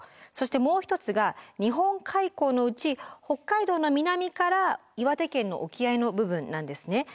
そしてもう一つが日本海溝のうち北海道の南から岩手県の沖合の部分なんですね。